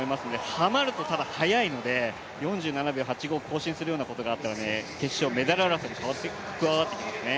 ハマるとただ速いので、４７秒８５更新するようなことがあったら決勝、メダル争いに加わってきますね。